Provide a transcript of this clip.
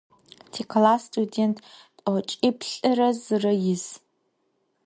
Tiklass studênt t'oç'iplh'ıre zıre yis.